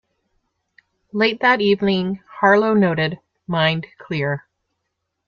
Late that evening Harlow noted: Mind clear.